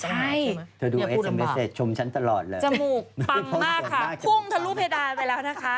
ที่มันต้องหายใช่ไหมอย่าพูดอำบังจมูกปังมากค่ะพุ่งทะลุเพดาไปแล้วนะคะ